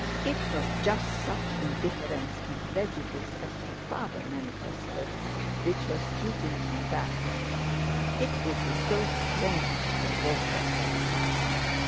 It was just such indifference and prejudice as her father manifested which was keeping him back. It would be so splendid for both of them!